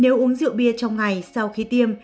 nếu uống rượu bia trong ngày sau khi tiêm